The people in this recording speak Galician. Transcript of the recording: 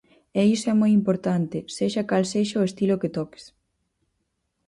E iso é moi importante, sexa cal sexa o estilo que toques.